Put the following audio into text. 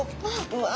うわ！